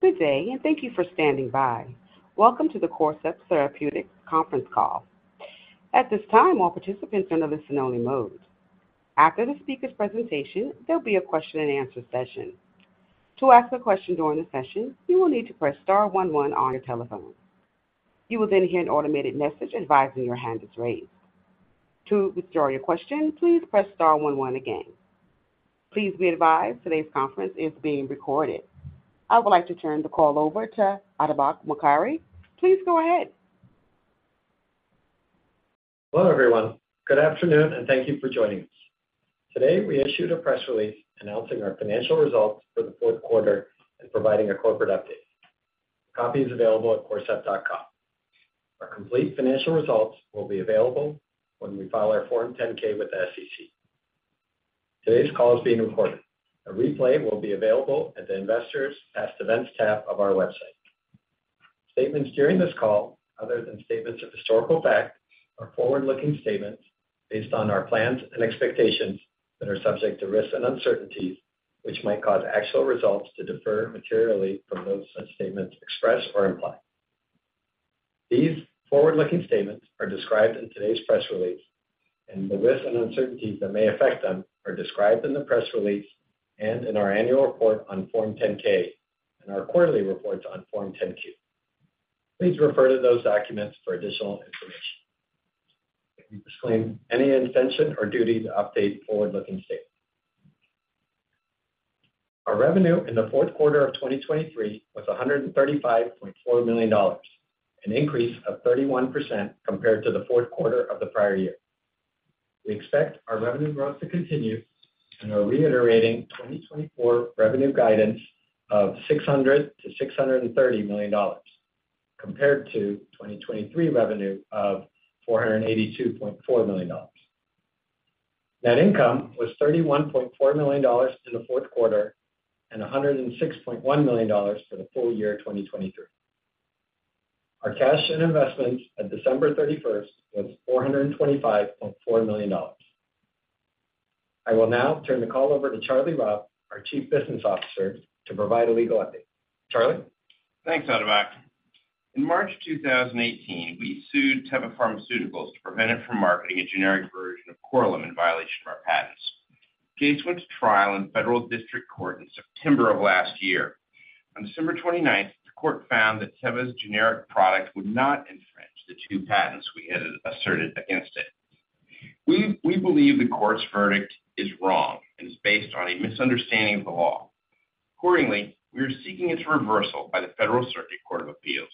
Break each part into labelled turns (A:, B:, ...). A: Good day, and thank you for standing by. Welcome to the Corcept Therapeutics conference call. At this time, all participants are in a listen-only mode. After the speaker's presentation, there'll be a question-and-answer session. To ask a question during the session, you will need to press star 11 on your telephone. You will then hear an automated message advising your hand is raised. To withdraw your question, please press star 11 again. Please be advised today's conference is being recorded. I would like to turn the call over to Atabak Mokari. Please go ahead.
B: Hello everyone. Good afternoon, and thank you for joining us. Today we issued a press release announcing our financial results for the Q4 and providing a corporate update. Copy is available at corcept.com. Our complete financial results will be available when we file our Form 10-K with the SEC. Today's call is being recorded. A replay will be available at the Investors Past Events tab of our website. Statements during this call, other than statements of historical fact, are forward-looking statements based on our plans and expectations that are subject to risks and uncertainties which might cause actual results to differ materially from those such statements express or imply. These forward-looking statements are described in today's press release, and the risks and uncertainties that may affect them are described in the press release and in our annual report on Form 10-K and our quarterly reports on Form 10-Q. Please refer to those documents for additional information. We disclaim any intention or duty to update forward-looking statements. Our revenue in the Q4 of 2023 was $135.4 million, an increase of 31% compared to the Q4 of the prior year. We expect our revenue growth to continue, and we're reiterating 2024 revenue guidance of $600-$630 million compared to 2023 revenue of $482.4 million. Net income was $31.4 million in the Q4 and $106.1 million for the full year 2023. Our cash and investments at December 31st was $425.4 million. I will now turn the call over to Charlie Robb, our Chief Business Officer, to provide a legal update. Charlie?
C: Thanks, Atabak. In March 2018, we sued Teva Pharmaceuticals to prevent it from marketing a generic version of Korlym in violation of our patents. The case went to trial in Federal District Court in September of last year. On December 29th, the court found that Teva's generic product would not infringe the two patents we had asserted against it. We believe the court's verdict is wrong and is based on a misunderstanding of the law. Accordingly, we are seeking its reversal by the Federal Circuit Court of Appeals.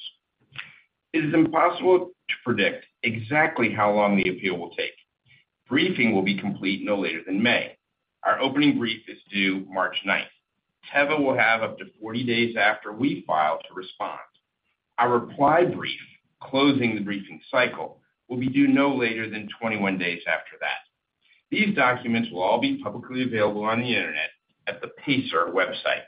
C: It is impossible to predict exactly how long the appeal will take. Briefing will be complete no later than May. Our opening brief is due March 9th. Teva will have up to 40 days after we file to respond. Our reply brief, closing the briefing cycle, will be due no later than 21 days after that. These documents will all be publicly available on the internet at the PACER website.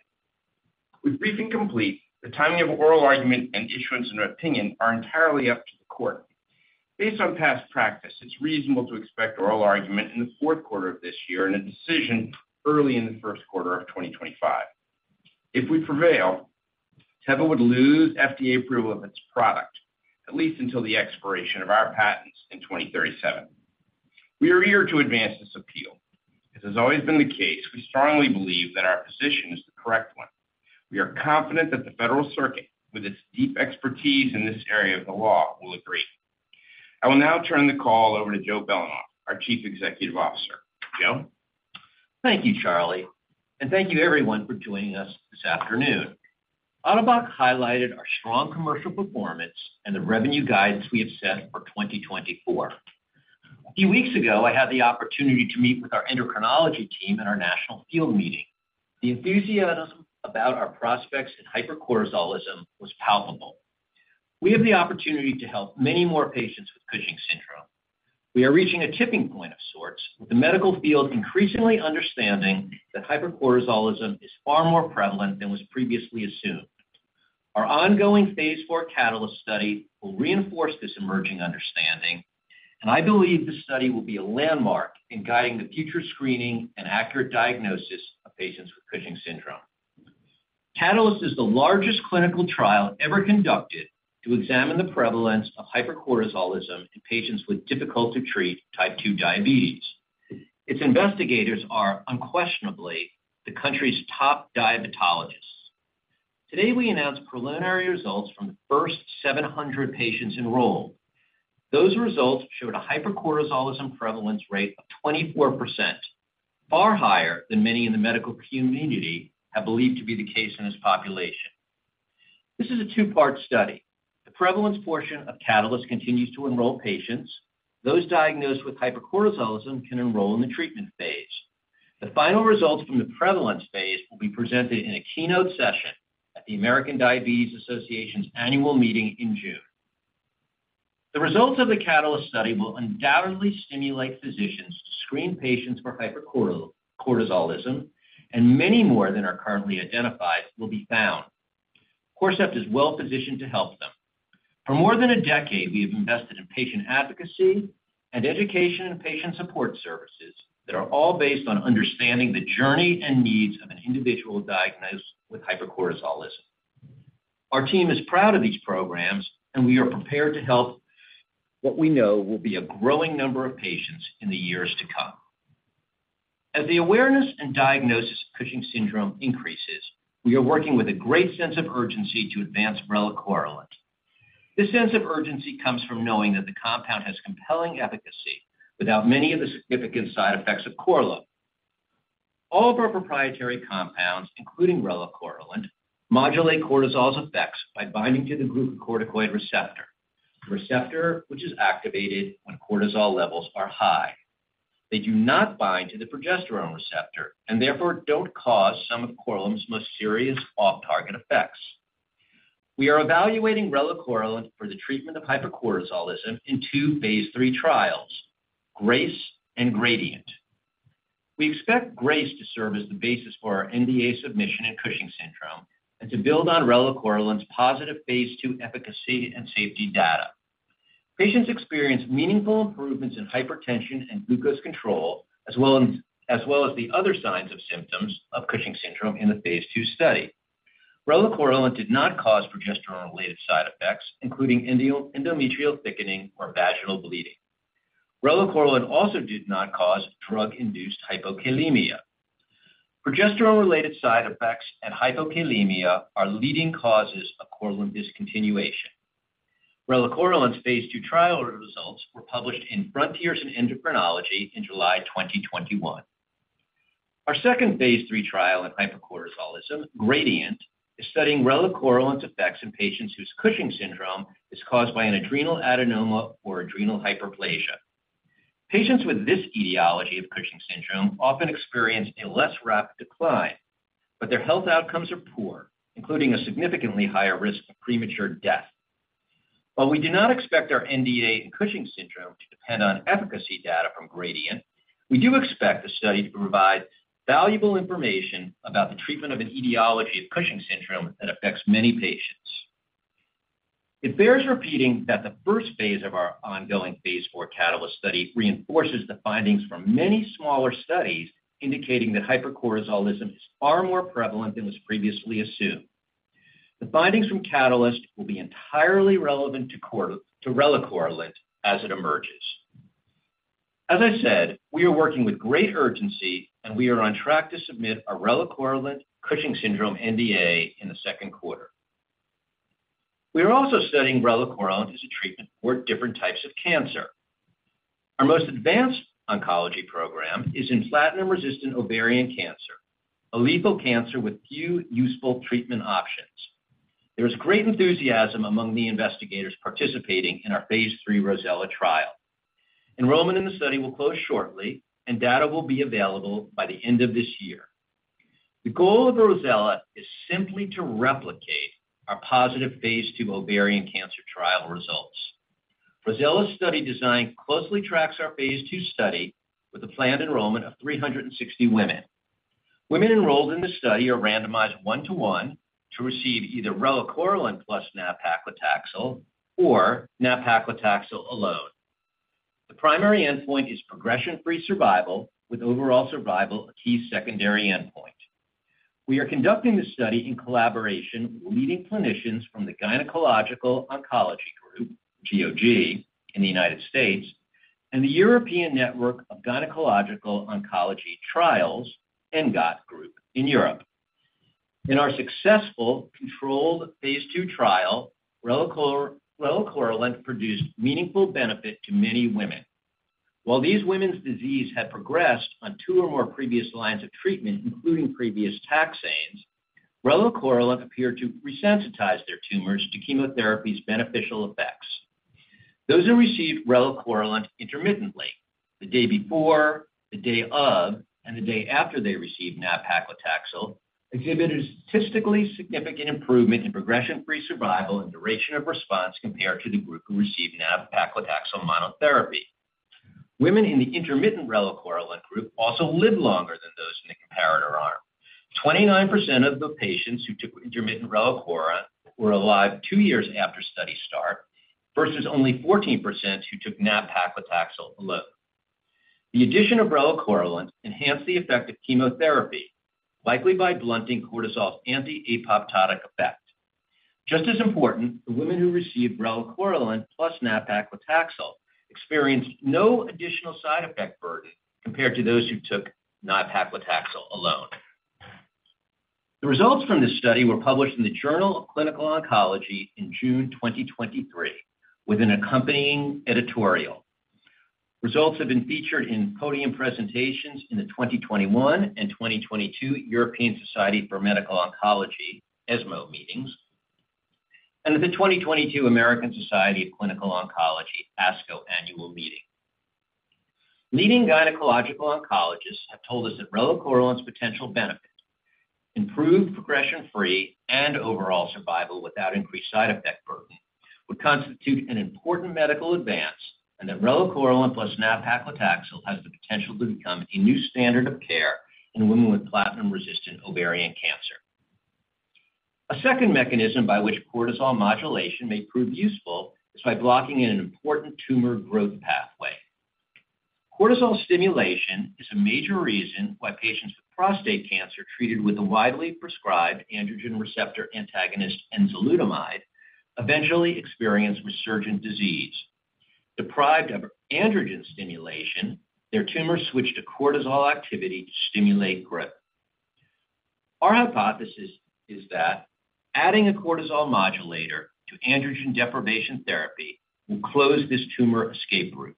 C: With briefing complete, the timing of oral argument and issuance of an opinion are entirely up to the court. Based on past practice, it's reasonable to expect oral argument in the Q4 of this year and a decision early in the Q1 of 2025. If we prevail, Teva would lose FDA approval of its product, at least until the expiration of our patents in 2037. We are eager to advance this appeal. As has always been the case, we strongly believe that our position is the correct one. We are confident that the Federal Circuit, with its deep expertise in this area of the law, will agree. I will now turn the call over to Joe Belanoff, our Chief Executive Officer. Joe?
D: Thank you, Charlie, and thank you everyone for joining us this afternoon. Atabak highlighted our strong commercial performance and the revenue guidance we have set for 2024. A few weeks ago, I had the opportunity to meet with our endocrinology team at our National Field Meeting. The enthusiasm about our prospects in hypercortisolism was palpable. We have the opportunity to help many more patients with Cushing's syndrome. We are reaching a tipping point of sorts, with the medical field increasingly understanding that hypercortisolism is far more prevalent than was previously assumed. Our ongoing Phase IV Catalyst study will reinforce this emerging understanding, and I believe the study will be a landmark in guiding the future screening and accurate diagnosis of patients with Cushing's syndrome. Catalyst is the largest clinical trial ever conducted to examine the prevalence of hypercortisolism in patients with difficult-to-treat type 2 diabetes. Its investigators are, unquestionably, the country's top diabetologists. Today we announced preliminary results from the first 700 patients enrolled. Those results showed a hypercortisolism prevalence rate of 24%, far higher than many in the medical community have believed to be the case in this population. This is a two-part study. The prevalence portion of Catalyst continues to enroll patients. Those diagnosed with hypercortisolism can enroll in the treatment phase. The final results from the prevalence phase will be presented in a keynote session at the American Diabetes Association's annual meeting in June. The results of the Catalyst study will undoubtedly stimulate physicians to screen patients for hypercortisolism, and many more than are currently identified will be found. Corcept is well-positioned to help them. For more than a decade, we have invested in patient advocacy and education and patient support services that are all based on understanding the journey and needs of an individual diagnosed with hypercortisolism. Our team is proud of these programs, and we are prepared to help what we know will be a growing number of patients in the years to come. As the awareness and diagnosis of Cushing's syndrome increases, we are working with a great sense of urgency to advance relacorilant. This sense of urgency comes from knowing that the compound has compelling efficacy without many of the significant side effects of Korlym. All of our proprietary compounds, including relacorilant, modulate cortisol's effects by binding to the glucocorticoid receptor, a receptor which is activated when cortisol levels are high. They do not bind to the progesterone receptor and therefore don't cause some of Korlym's most serious off-target effects. We are evaluating relacorilant for the treatment of hypercortisolism in two phase III trials, GRACE and Gradient. We expect GRACE to serve as the basis for our NDA submission in Cushing's syndrome and to build on relacorilant's positive phase II efficacy and safety data. Patients experienced meaningful improvements in hypertension and glucose control, as well as the other signs of symptoms of Cushing's syndrome in the phase II study. Relacorilant did not cause progesterone-related side effects, including endometrial thickening or vaginal bleeding. Relacorilant also did not cause drug-induced hypokalemia. Progesterone-related side effects and hypokalemia are leading causes of Korlym discontinuation. Relacorilant's phase II trial results were published in Frontiers in Endocrinology in July 2021. Our second phase III trial in hypercortisolism, Gradient, is studying relacorilant's effects in patients whose Cushing's syndrome is caused by an adrenal adenoma or adrenal hyperplasia. Patients with this etiology of Cushing's syndrome often experience a less rapid decline, but their health outcomes are poor, including a significantly higher risk of premature death. While we do not expect our NDA in Cushing's syndrome to depend on efficacy data from Gradient, we do expect the study to provide valuable information about the treatment of an etiology of Cushing's syndrome that affects many patients. It bears repeating that the first phase of our ongoing phase IV Catalyst study reinforces the findings from many smaller studies indicating that hypercortisolism is far more prevalent than was previously assumed. The findings from Catalyst will be entirely relevant to relacorilant as it emerges. As I said, we are working with great urgency, and we are on track to submit our relacorilant Cushing's syndrome NDA in the Q2. We are also studying relacorilant as a treatment for different types of cancer. Our most advanced oncology program is in platinum-resistant ovarian cancer, a lethal cancer with few useful treatment options. There is great enthusiasm among the investigators participating in our phase III ROSELLA trial. Enrollment in the study will close shortly, and data will be available by the end of this year. The goal of ROSELLA is simply to replicate our positive phase II ovarian cancer trial results. ROSELLA's study design closely tracks our phase II study with a planned enrollment of 360 women. Women enrolled in the study are randomized one-to-one to receive either relacorilant plus nab-paclitaxel or nab-paclitaxel alone. The primary endpoint is progression-free survival, with overall survival a key secondary endpoint. We are conducting the study in collaboration with leading clinicians from the Gynecologic Oncology Group, GOG, in the United States, and the European Network of Gynaecological Oncology Trial Groups, ENGOT, in Europe. In our successful controlled phase II trial, relacorilant produced meaningful benefit to many women. While these women's disease had progressed on two or more previous lines of treatment, including previous taxanes, relacorilant appeared to resensitize their tumors to chemotherapy's beneficial effects. Those who received relacorilant intermittently the day before, the day of, and the day after they received nab-paclitaxel exhibited statistically significant improvement in progression-free survival and duration of response compared to the group who received nab-paclitaxel monotherapy. Women in the intermittent relacorilant group also lived longer than those in the comparator arm. 29% of the patients who took intermittent relacorilant were alive two years after study start versus only 14% who took nab-paclitaxel alone. The addition of relacorilant enhanced the effect of chemotherapy, likely by blunting cortisol's antiapoptotic effect. Just as important, the women who received relacorilant plus nab-paclitaxel experienced no additional side effect burden compared to those who took nab-paclitaxel alone. The results from this study were published in the Journal of Clinical Oncology in June 2023 with an accompanying editorial. Results have been featured in podium presentations in the 2021 and 2022 European Society for Medical Oncology (ESMO) meetings and at the 2022 American Society of Clinical Oncology (ASCO) annual meeting. Leading gynecologic oncologists have told us that relacorilant's potential benefit - improved progression-free and overall survival without increased side effect burden - would constitute an important medical advance and that relacorilant plus nab-paclitaxel has the potential to become a new standard of care in women with platinum-resistant ovarian cancer. A second mechanism by which cortisol modulation may prove useful is by blocking in an important tumor growth pathway. Cortisol stimulation is a major reason why patients with prostate cancer treated with the widely prescribed androgen receptor antagonist enzalutamide eventually experience resurgent disease. Deprived of androgen stimulation, their tumors switch to cortisol activity to stimulate growth. Our hypothesis is that adding a cortisol modulator to androgen deprivation therapy will close this tumor escape route.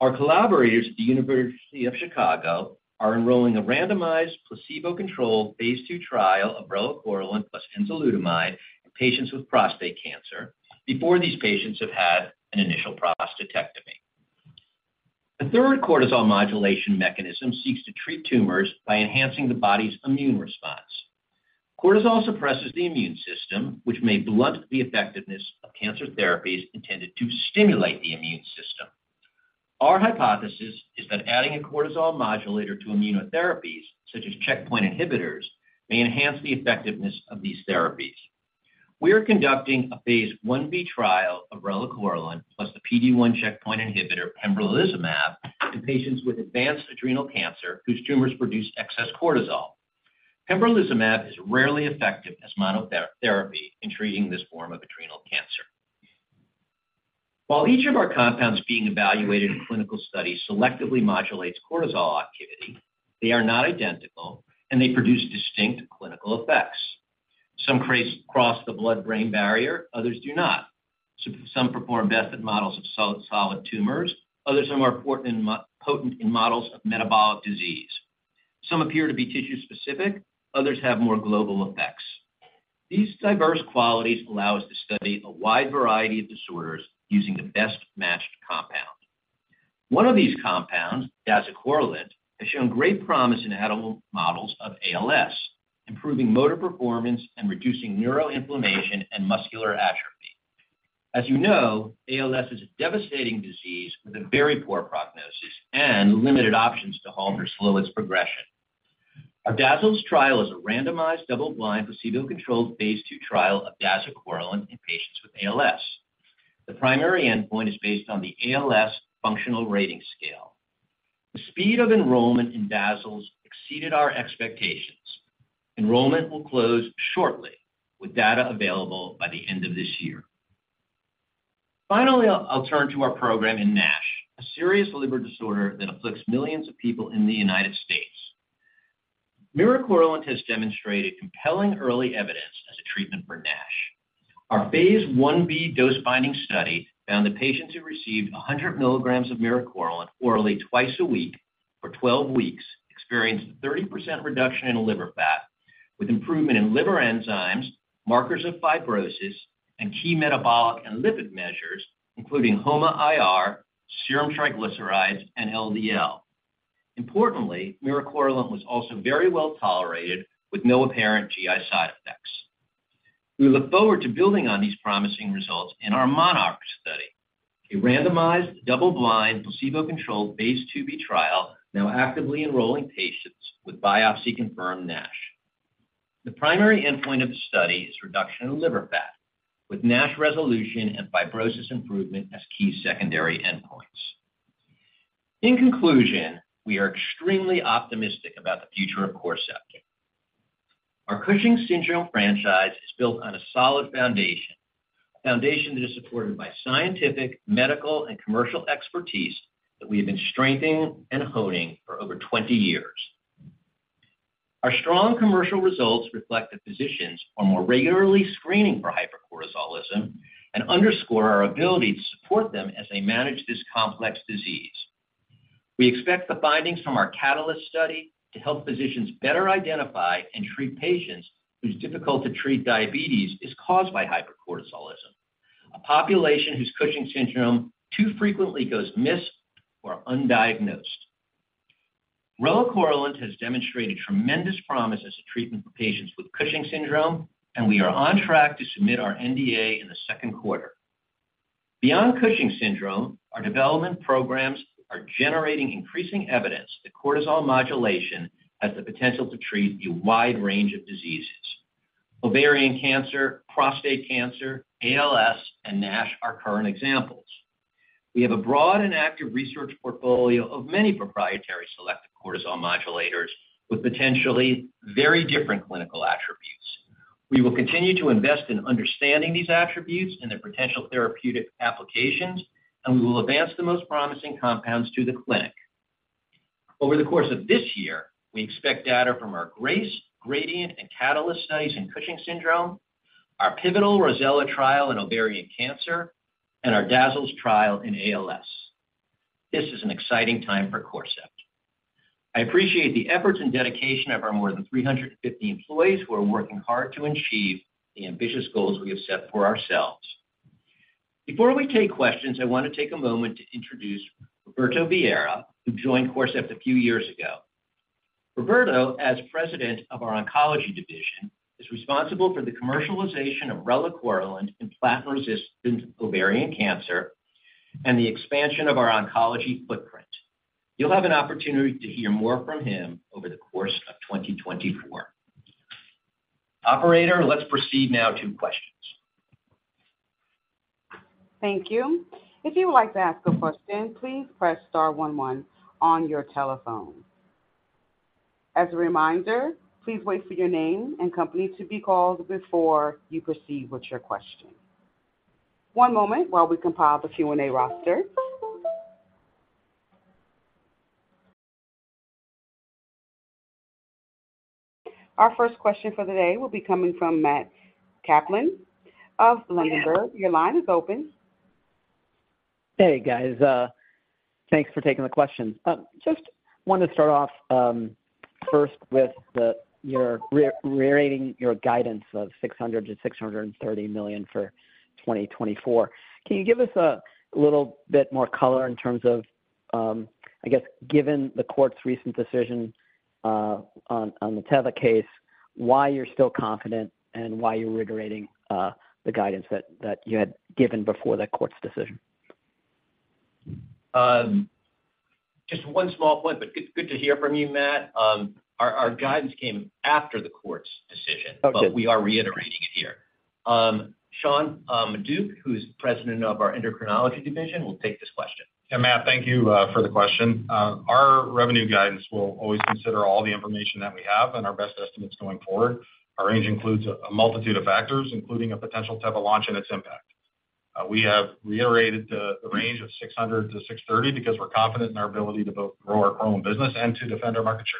D: Our collaborators at the University of Chicago are enrolling a randomized, placebo-controlled phase II trial of relacorilant plus enzalutamide in patients with prostate cancer before these patients have had an initial prostatectomy. A third cortisol modulation mechanism seeks to treat tumors by enhancing the body's immune response. Cortisol suppresses the immune system, which may blunt the effectiveness of cancer therapies intended to stimulate the immune system. Our hypothesis is that adding a cortisol modulator to immunotherapies, such as checkpoint inhibitors, may enhance the effectiveness of these therapies. We are conducting a phase IB trial of relacorilant plus the PD-1 checkpoint inhibitor pembrolizumab in patients with advanced adrenal cancer whose tumors produce excess cortisol. Pembrolizumab is rarely effective as monotherapy in treating this form of adrenal cancer. While each of our compounds being evaluated in clinical studies selectively modulates cortisol activity, they are not identical, and they produce distinct clinical effects. Some cross the blood-brain barrier. Others do not. Some perform best in models of solid tumors. Others are more potent in models of metabolic disease. Some appear to be tissue-specific. Others have more global effects. These diverse qualities allow us to study a wide variety of disorders using the best-matched compound. One of these compounds, dazucorilant, has shown great promise in animal models of ALS, improving motor performance and reducing neuroinflammation and muscular atrophy. As you know, ALS is a devastating disease with a very poor prognosis and limited options to halt or slow its progression. Our DASLS trial is a randomized, double-blind, placebo-controlled phase II trial of dazucorilant in patients with ALS. The primary endpoint is based on the ALS Functional Rating Scale. The speed of enrollment in DASLS exceeded our expectations. Enrollment will close shortly, with data available by the end of this year. Finally, I'll turn to our program in NASH, a serious liver disorder that afflicts millions of people in the United States. Miracorilant has demonstrated compelling early evidence as a treatment for NASH. Our phase IB dose-finding study found that patients who received 100 milligrams of miracorilant orally twice a week for 12 weeks experienced a 30% reduction in liver fat, with improvement in liver enzymes, markers of fibrosis, and key metabolic and lipid measures, including HOMA-IR, serum triglycerides, and LDL. Importantly, miracorilant was also very well tolerated, with no apparent GI side effects. We look forward to building on these promising results in our MONARCH study, a randomized, double-blind, placebo-controlled phase IIB trial now actively enrolling patients with biopsy-confirmed NASH. The primary endpoint of the study is reduction in liver fat, with NASH resolution and fibrosis improvement as key secondary endpoints. In conclusion, we are extremely optimistic about the future of Corcept. Our Cushing's syndrome franchise is built on a solid foundation, a foundation that is supported by scientific, medical, and commercial expertise that we have been strengthening and honing for over 20 years. Our strong commercial results reflect that physicians are more regularly screening for hypercortisolism and underscore our ability to support them as they manage this complex disease. We expect the findings from our Catalyst study to help physicians better identify and treat patients whose difficult-to-treat diabetes is caused by hypercortisolism, a population whose Cushing's syndrome too frequently goes missed or undiagnosed. Relacorilant has demonstrated tremendous promise as a treatment for patients with Cushing's syndrome, and we are on track to submit our NDA in the Q2. Beyond Cushing's syndrome, our development programs are generating increasing evidence that cortisol modulation has the potential to treat a wide range of diseases. Ovarian cancer, prostate cancer, ALS, and NASH are current examples. We have a broad and active research portfolio of many proprietary selective cortisol modulators with potentially very different clinical attributes. We will continue to invest in understanding these attributes and their potential therapeutic applications, and we will advance the most promising compounds to the clinic. Over the course of this year, we expect data from our GRACE, Gradient, and Catalyst studies in Cushing's syndrome, our pivotal ROSELLA trial in ovarian cancer, and our DASLS trial in ALS. This is an exciting time for Corcept. I appreciate the efforts and dedication of our more than 350 employees who are working hard to achieve the ambitious goals we have set for ourselves. Before we take questions, I want to take a moment to introduce Roberto Vieira, who joined Corcept a few years ago. Roberto, as President of our oncology division, is responsible for the commercialization of relacorilant in platinum-resistant ovarian cancer and the expansion of our oncology footprint. You'll have an opportunity to hear more from him over the course of 2024. Operator, let's proceed now to questions.
A: Thank you. If you would like to ask a question, please press star 11 on your telephone. As a reminder, please wait for your name and company to be called before you proceed with your question. One moment while we compile the Q&A roster. Our first question for the day will be coming from Matt Kaplan of Ladenburg. Your line is open.
E: Hey, guys. Thanks for taking the questions. Just wanted to start off first with your reiterating your guidance of $600 million-$630 million for 2024. Can you give us a little bit more color in terms of, I guess, given the court's recent decision on the Teva case, why you're still confident and why you're reiterating the guidance that you had given before the court's decision?
D: Just one small point, but good to hear from you, Matt. Our guidance came after the court's decision, but we are reiterating it here. Sean Maduck, who's President of our endocrinology division, will take this question.
F: Yeah, Matt, thank you for the question. Our revenue guidance will always consider all the information that we have and our best estimates going forward. Our range includes a multitude of factors, including a potential Teva launch and its impact. We have reiterated the range of $600 million-$630 million because we're confident in our ability to both grow our Korlym business and to defend our market share.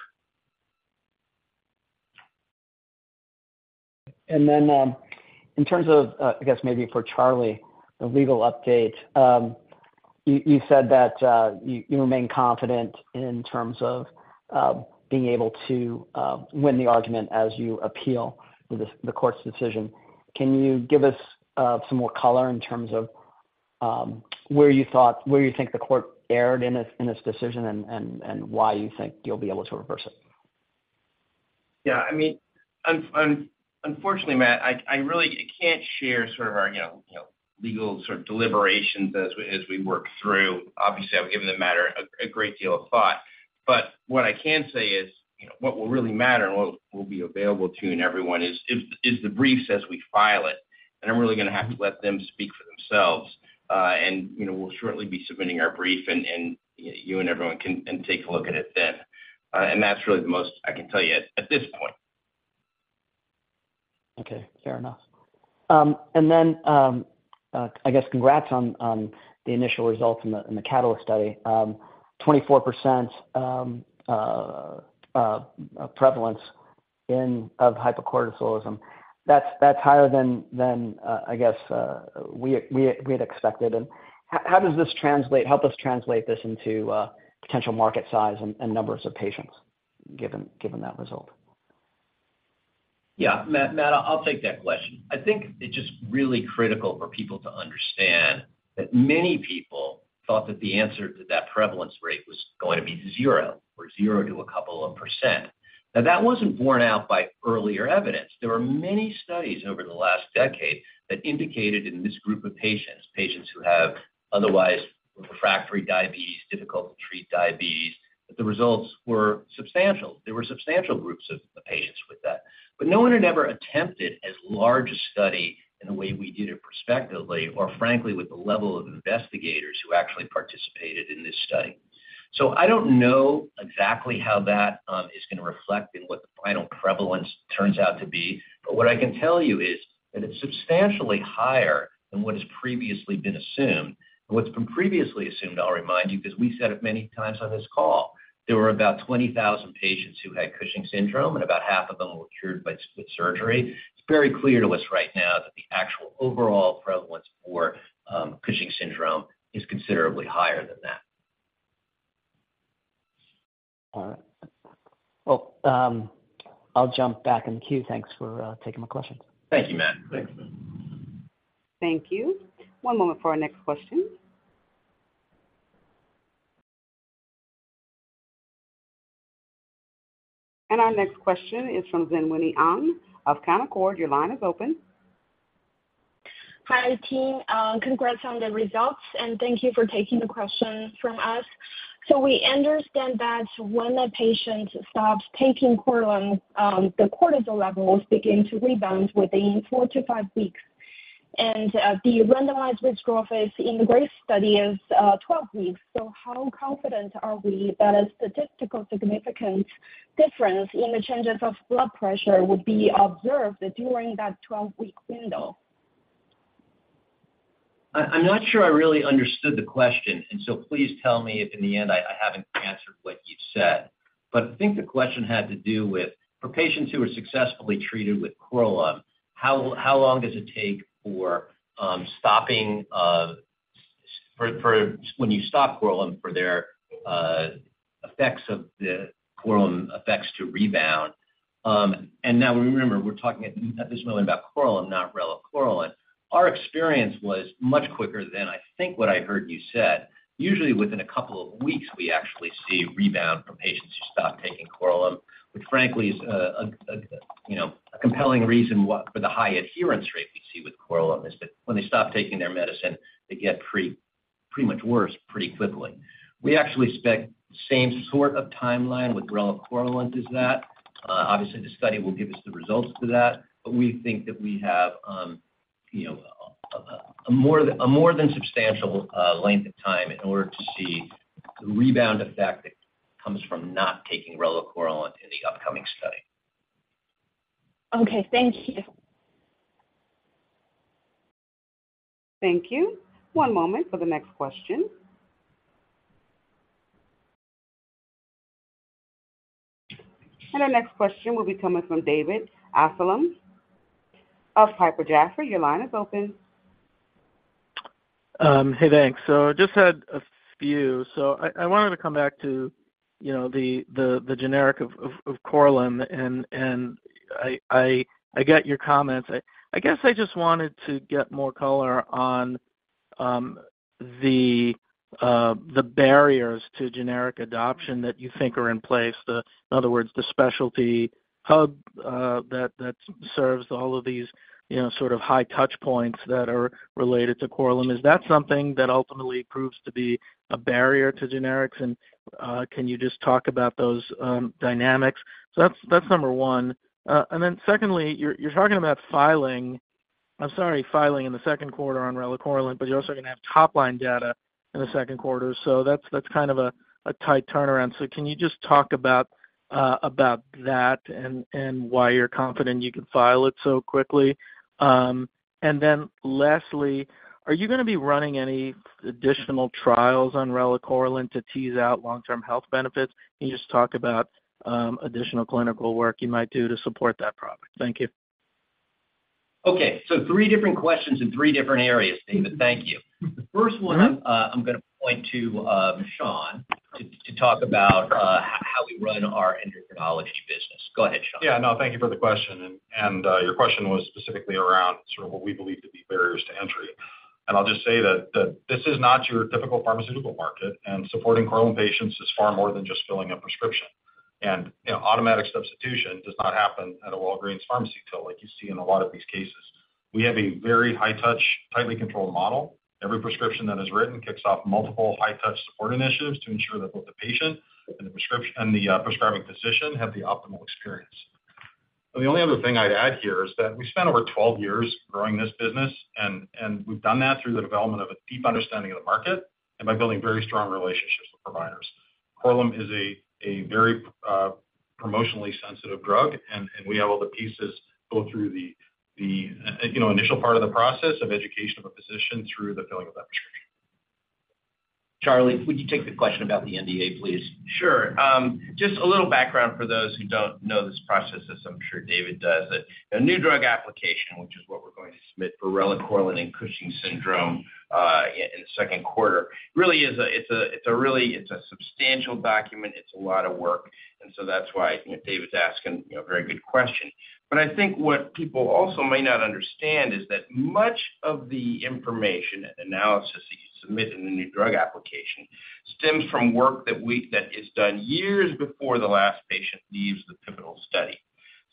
E: And then in terms of, I guess, maybe for Charlie, the legal update, you said that you remain confident in terms of being able to win the argument as you appeal the court's decision. Can you give us some more color in terms of where you think the court erred in this decision and why you think you'll be able to reverse it?
C: Yeah. I mean, unfortunately, Matt, I really can't share sort of our legal sort of deliberations as we work through. Obviously, I've given the matter a great deal of thought. But what I can say is what will really matter and what will be available to you and everyone is the briefs as we file it. And I'm really going to have to let them speak for themselves. And we'll shortly be submitting our brief, and you and everyone can take a look at it then. And that's really the most I can tell you at this point.
E: Okay. Fair enough. And then, I guess, congrats on the initial results in the Catalyst study, 24% prevalence of hypercortisolism. That's higher than, I guess, we had expected. And how does this translate, help us translate this into potential market size and numbers of patients given that result?
D: Yeah. Matt, I'll take that question. I think it's just really critical for people to understand that many people thought that the answer to that prevalence rate was going to be 0 or 0 to a couple of %. Now, that wasn't borne out by earlier evidence. There were many studies over the last decade that indicated in this group of patients, patients who have otherwise refractory diabetes, difficult-to-treat diabetes, that the results were substantial. There were substantial groups of patients with that. But no one had ever attempted as large a study in the way we did it prospectively or, frankly, with the level of investigators who actually participated in this study. So I don't know exactly how that is going to reflect in what the final prevalence turns out to be. But what I can tell you is that it's substantially higher than what has previously been assumed. What's been previously assumed, I'll remind you, because we said it many times on this call, there were about 20,000 patients who had Cushing's syndrome, and about half of them were cured with surgery. It's very clear to us right now that the actual overall prevalence for Cushing's syndrome is considerably higher than that.
E: All right. Well, I'll jump back in the queue. Thanks for taking my questions.
D: Thank you, Matt.
F: Thanks, Matt.
A: Thank you. One moment for our next question. Our next question is from Xinwei An of Canaccord. Your line is open.
G: Hi, team. Congrats on the results, and thank you for taking the question from us. So we understand that when a patient stops taking Korlym, the cortisol levels begin to rebound within 4-5 weeks. And the randomized risk growth in the GRACE study is 12 weeks. So how confident are we that a statistically significant difference in the changes of blood pressure would be observed during that 12-week window?
D: I'm not sure I really understood the question. So please tell me if in the end I haven't answered what you've said. But I think the question had to do with, for patients who are successfully treated with Korlym, how long does it take for stopping, when you stop Korlym, for their effects of the Korlym effects to rebound? And now, remember, we're talking at this moment about Korlym, not relacorilant. Our experience was much quicker than, I think, what I heard you said. Usually, within a couple of weeks, we actually see rebound from patients who stop taking Korlym, which, frankly, is a compelling reason for the high adherence rate we see with Korlym, is that when they stop taking their medicine, they get pretty much worse pretty quickly. We actually expect the same sort of timeline with relacorilant as that. Obviously, the study will give us the results for that. But we think that we have a more than substantial length of time in order to see the rebound effect that comes from not taking relacorilant in the upcoming study.
G: Okay. Thank you.
A: Thank you. One moment for the next question. Our next question will be coming from David Amsellem of Piper Sandler. Your line is open.
H: Hey, thanks. So I just had a few. So I wanted to come back to the generic of Korlym. And I get your comments. I guess I just wanted to get more color on the barriers to generic adoption that you think are in place. In other words, the specialty hub that serves all of these sort of high touchpoints that are related to Korlym, is that something that ultimately proves to be a barrier to generics? And can you just talk about those dynamics? So that's number one. And then secondly, you're talking about filing, I'm sorry, filing in the Q2 on relacorilant, but you're also going to have top-line data in the Q2. So that's kind of a tight turnaround. So can you just talk about that and why you're confident you can file it so quickly? Then lastly, are you going to be running any additional trials on relacorilant to tease out long-term health benefits? Can you just talk about additional clinical work you might do to support that product? Thank you.
D: Okay. So three different questions in three different areas, David. Thank you. The first one, I'm going to point to Sean to talk about how we run our endocrinology business. Go ahead, Sean.
F: Yeah. No, thank you for the question. And your question was specifically around sort of what we believe to be barriers to entry. And I'll just say that this is not your typical pharmaceutical market. And supporting Korlym patients is far more than just filling a prescription. And automatic substitution does not happen at a Walgreens pharmacy unlike you see in a lot of these cases. We have a very high-touch, tightly controlled model. Every prescription that is written kicks off multiple high-touch support initiatives to ensure that both the patient and the prescribing physician have the optimal experience. And the only other thing I'd add here is that we spent over 12 years growing this business. And we've done that through the development of a deep understanding of the market and by building very strong relationships with providers. Korlym is a very promotionally sensitive drug, and we have all the pieces go through the initial part of the process of education of a physician through the filling of that prescription.
D: Charlie, would you take the question about the NDA, please?
C: Sure. Just a little background for those who don't know this process, as I'm sure David does, that a new drug application, which is what we're going to submit for relacorilant and Cushing's syndrome in the Q2, really is a, it's a substantial document. It's a lot of work. And so that's why David's asking a very good question. But I think what people also may not understand is that much of the information and analysis that you submit in the new drug application stems from work that is done years before the last patient leaves the pivotal study.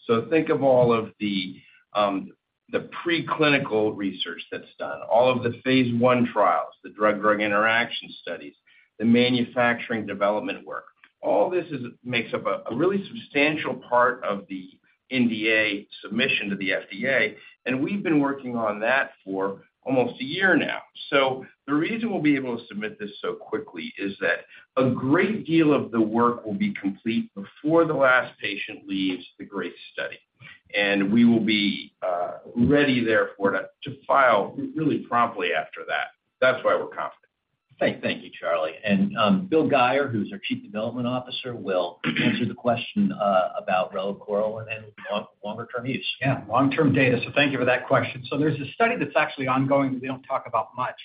C: So think of all of the preclinical research that's done, all of the phase 1 trials, the drug-drug interaction studies, the manufacturing development work. All this makes up a really substantial part of the NDA submission to the FDA. And we've been working on that for almost a year now. So the reason we'll be able to submit this so quickly is that a great deal of the work will be complete before the last patient leaves the GRACE study. We will be ready therefore to file really promptly after that. That's why we're confident.
D: Thank you, Charlie. Bill Guyer, who's our Chief Development Officer, will answer the question about relacorilant and longer-term use.
I: Yeah. Long-term data. So thank you for that question. So there's a study that's actually ongoing that we don't talk about much.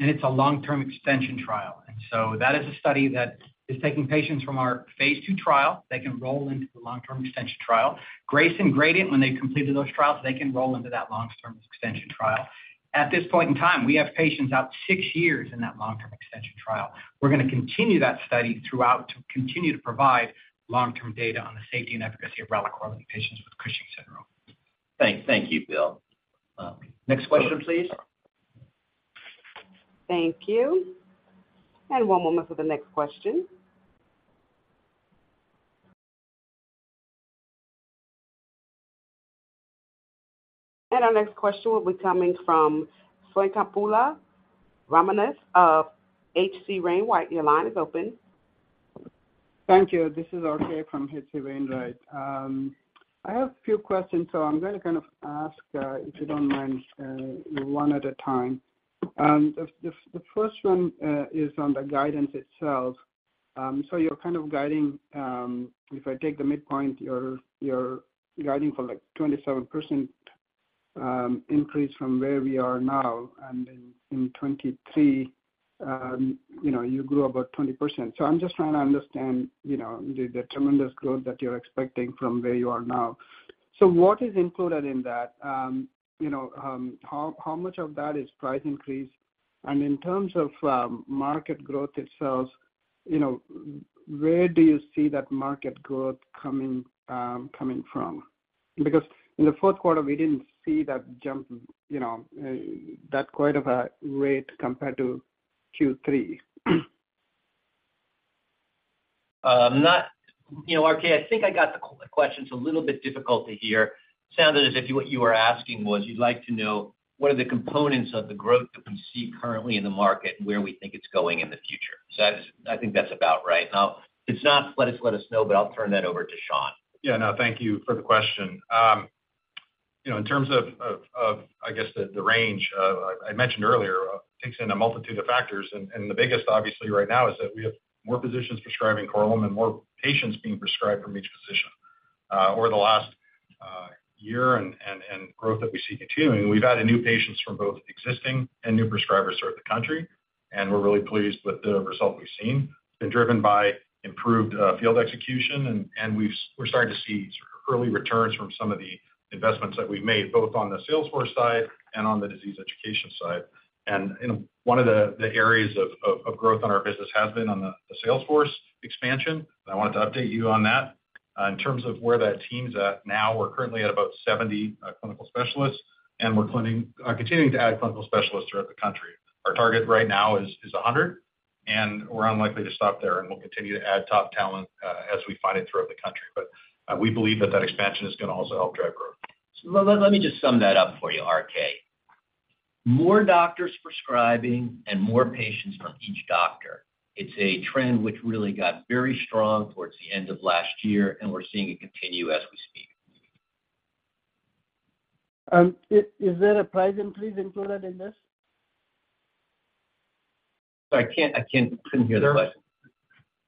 I: And it's a long-term extension trial. And so that is a study that is taking patients from our phase 2 trial. They can roll into the long-term extension trial. GRACE and Gradient, when they've completed those trials, they can roll into that long-term extension trial. At this point in time, we have patients out six years in that long-term extension trial. We're going to continue that study throughout to continue to provide long-term data on the safety and efficacy of relacorilant in patients with Cushing's syndrome.
D: Thank you, Bill. Next question, please.
A: Thank you. One moment for the next question. Our next question will be coming from Swayampakula Ramakanth of H.C. Wainwright. Your line is open.
J: Thank you. This is Atabak from H.C. Wainwright. I have a few questions. So I'm going to kind of ask, if you don't mind, one at a time. The first one is on the guidance itself. So you're kind of guiding—if I take the midpoint—you're guiding for like a 27% increase from where we are now. And in 2023, you grew about 20%. So I'm just trying to understand the tremendous growth that you're expecting from where you are now. So what is included in that? How much of that is price increase? And in terms of market growth itself, where do you see that market growth coming from? Because in the Q4, we didn't see that jump, that quite of a rate compared to Q3.
D: Atabak, I think I got the questions a little bit difficult to hear. It sounded as if what you were asking was you'd like to know what are the components of the growth that we see currently in the market and where we think it's going in the future. I think that's about right. Now, it's not. Let us know, but I'll turn that over to Sean.
B: Yeah. No, thank you for the question. In terms of, I guess, the range, I mentioned earlier, it takes in a multitude of factors. And the biggest, obviously, right now is that we have more physicians prescribing Korlym and more patients being prescribed from each physician. Over the last year and growth that we see continuing, we've had new patients from both existing and new prescribers throughout the country. And we're really pleased with the result we've seen. It's been driven by improved field execution. And we're starting to see sort of early returns from some of the investments that we've made, both on the sales force side and on the disease education side. And one of the areas of growth on our business has been on the sales force expansion. And I wanted to update you on that. In terms of where that team's at now, we're currently at about 70 clinical specialists. We're continuing to add clinical specialists throughout the country. Our target right now is 100. We're unlikely to stop there. We'll continue to add top talent as we find it throughout the country. But we believe that that expansion is going to also help drive growth.
D: Let me just sum that up for you, R.K. More doctors prescribing and more patients from each doctor. It's a trend which really got very strong towards the end of last year. We're seeing it continue as we speak.
J: Is there a price increase included in this?
D: I couldn't hear the question.
F: But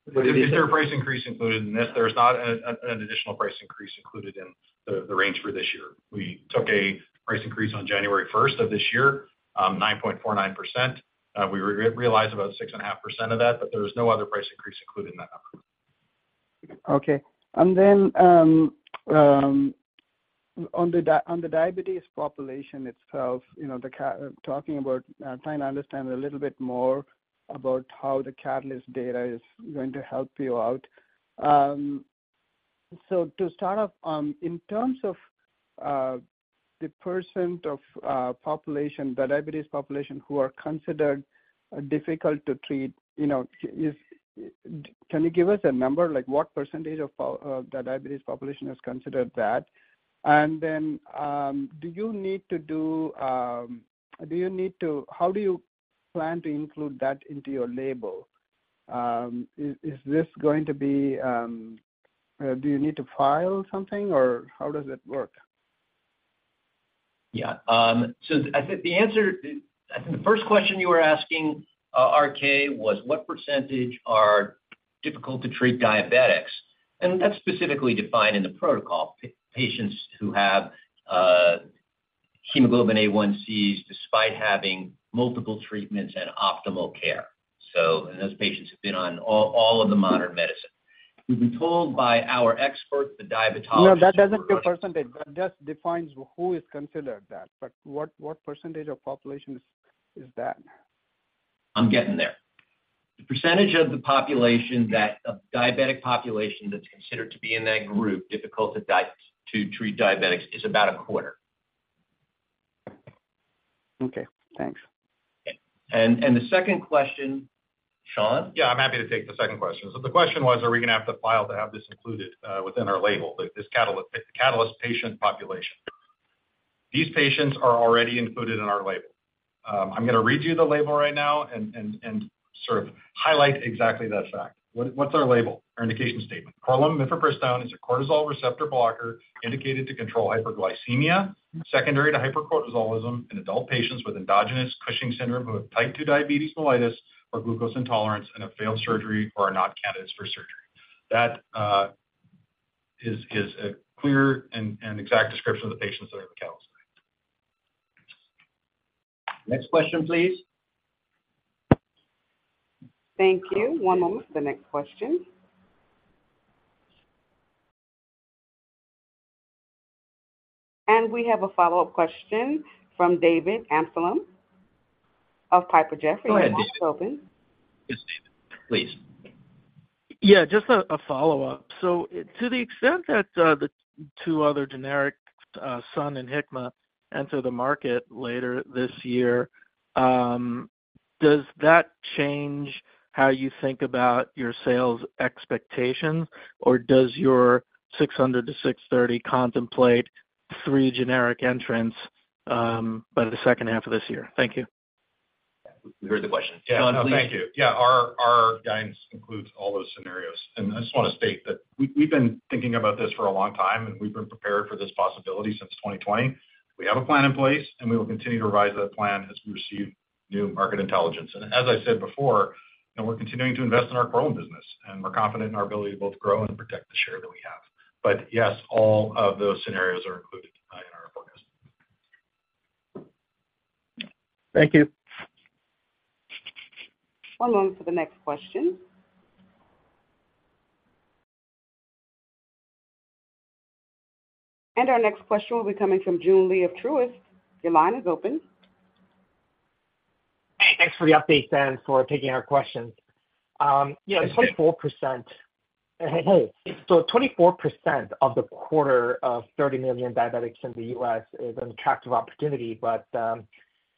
F: is there a price increase included in this? There's not an additional price increase included in the range for this year. We took a price increase on January 1st of this year, 9.49%. We realized about 6.5% of that. But there was no other price increase included in that number.
J: Okay. And then on the diabetes population itself, talking about trying to understand a little bit more about how the Catalyst data is going to help you out. So to start off, in terms of the percent of population, the diabetes population who are considered difficult to treat, can you give us a number? What percentage of the diabetes population is considered that? And then do you need to how do you plan to include that into your label? Is this going to be? Do you need to file something, or how does it work?
D: Yeah. So I think the answer I think the first question you were asking, R.K., was, what percentage are difficult-to-treat diabetics? And that's specifically defined in the protocol, patients who have hemoglobin A1c despite having multiple treatments and optimal care, and those patients who've been on all of the modern medicine. We've been told by our experts, the diabetologists.
J: No, that doesn't give percentage. That just defines who is considered that. But what percentage of population is that?
D: I'm getting there. The percentage of the diabetic population that's considered to be in that group, difficult to treat diabetics, is about a quarter.
J: Okay. Thanks.
D: The second question, Sean?
F: Yeah. I'm happy to take the second question. So the question was, are we going to have to file to have this included within our label, this Catalyst patient population? These patients are already included in our label. I'm going to read you the label right now and sort of highlight exactly that fact. What's our label, our indication statement? Korlym mifepristone is a cortisol receptor blocker indicated to control hyperglycemia secondary to hypercortisolism in adult patients with endogenous Cushing's syndrome who have type 2 diabetes mellitus or glucose intolerance and have failed surgery or are not candidates for surgery. That is a clear and exact description of the patients that are in the Catalyst category.
D: Next question, please.
A: Thank you. One moment for the next question. We have a follow-up question from David Amsellem of Piper Sandler. Your line is open.
D: Go ahead, David. Yes, David. Please.
H: Yeah. Just a follow-up. So to the extent that the two other generics, Sun and Hikma, enter the market later this year, does that change how you think about your sales expectations, or does your $600-$630 contemplate three generic entrants by the second half of this year? Thank you.
D: We heard the question. Sean, please.
F: Yeah. Thank you. Yeah. Our guidance includes all those scenarios. I just want to state that we've been thinking about this for a long time. We've been prepared for this possibility since 2020. We have a plan in place. We will continue to revise that plan as we receive new market intelligence. As I said before, we're continuing to invest in our Korlym business. We're confident in our ability to both grow and protect the share that we have. But yes, all of those scenarios are included in our forecast.
H: Thank you.
A: One moment for the next question. Our next question will be coming from Joon Lee of Truist. Your line is open.
K: Hey. Thanks for the updates and for taking our questions. Yeah. So 24% of the quarter of 30 million diabetics in the U.S. is an attractive opportunity. But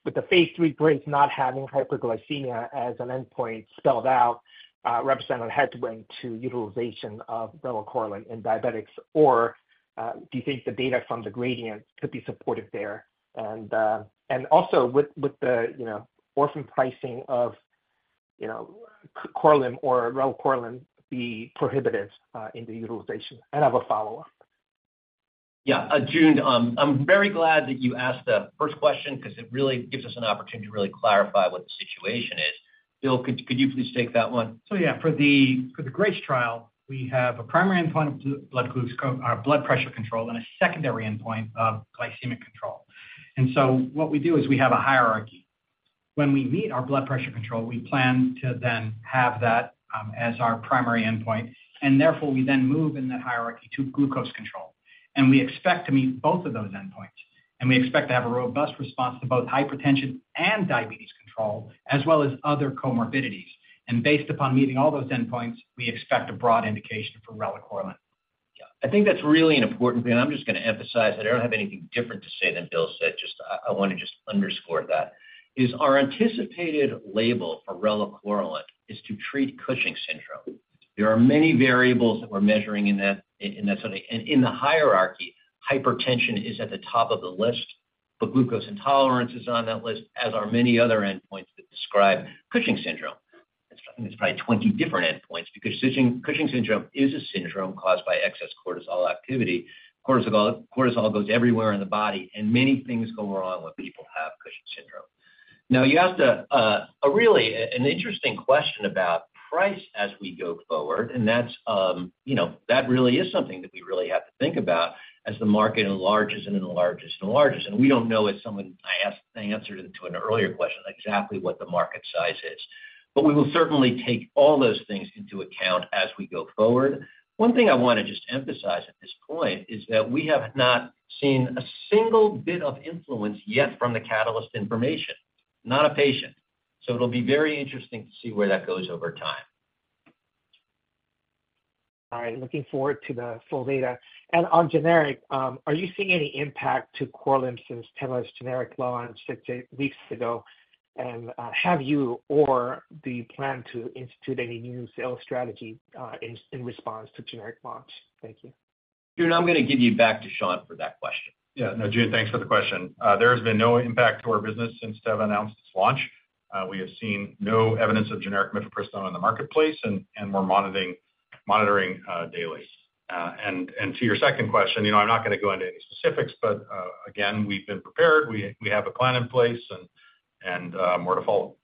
K: with the phase 3 GRACE not having hyperglycemia as an endpoint spelled out, represents a headwind to utilization of relacorilant in diabetics. Or do you think the data from the Gradient could be supportive there? And also, would the orphan pricing of Korlym or relacorilant be prohibitive in the utilization? And I have a follow-up.
D: Yeah. Joon, I'm very glad that you asked the first question because it really gives us an opportunity to really clarify what the situation is. Bill, could you please take that one?
I: So yeah. For the GRACE trial, we have a primary endpoint of blood pressure control and a secondary endpoint of glycemic control. And so what we do is we have a hierarchy. When we meet our blood pressure control, we plan to then have that as our primary endpoint. And therefore, we then move in that hierarchy to glucose control. And we expect to meet both of those endpoints. And we expect to have a robust response to both hypertension and diabetes control, as well as other comorbidities. And based upon meeting all those endpoints, we expect a broad indication for relacorilant.
D: Yeah. I think that's really an important thing. And I'm just going to emphasize that I don't have anything different to say than Bill said. I want to just underscore that. Our anticipated label for relacorilant is to treat Cushing's syndrome. There are many variables that we're measuring in that study. And in the hierarchy, hypertension is at the top of the list. But glucose intolerance is on that list, as are many other endpoints that describe Cushing's syndrome. I think it's probably 20 different endpoints because Cushing's syndrome is a syndrome caused by excess cortisol activity. Cortisol goes everywhere in the body. And many things go wrong when people have Cushing's syndrome. Now, you asked a really interesting question about price as we go forward. And that really is something that we really have to think about as the market enlarges and enlarges and enlarges. And we don't know as someone answered to an earlier question exactly what the market size is. But we will certainly take all those things into account as we go forward. One thing I want to just emphasize at this point is that we have not seen a single bit of influence yet from the Catalyst information, not a patient. So it'll be very to see where that goes time.
K: All right. Looking forward to the full data. On generic, are you seeing any impact to Korlym since Teva's generic launch six weeks ago? Have you or do you plan to institute any new sales strategy in response to generic launch? Thank you.
D: Joon, I'm going to give you back to Sean for that question.
F: Yeah. No, Joon, thanks for the question. There has been no impact to our business since Teva announced its launch. We have seen no evidence of generic mifepristone in the marketplace. And we're monitoring daily. And to your second question, I'm not going to go into any specifics. But again, we've been prepared. We have a plan in place. And we're to follow.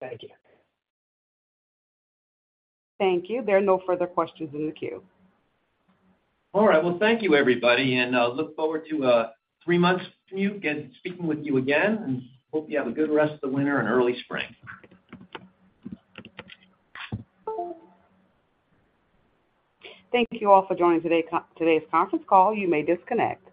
K: Thank you.
A: Thank you. There are no further questions in the queue.
D: All right. Well, thank you, everybody. I look forward to a three-month commute and speaking with you again. Hope you have a good rest of the winter and early spring.
A: Thank you all for joining today's conference call. You may disconnect.